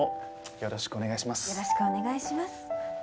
よろしくお願いします。